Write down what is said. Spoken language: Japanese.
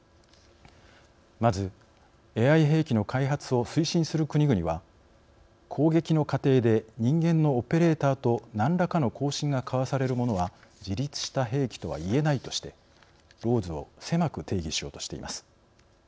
まずＡＩ兵器の開発を推進する国々は攻撃の過程で人間のオペレーターと何らかの交信が交わされるものは自律した兵器とは言えないとしてＬＡＷＳを狭く定義しようとしています。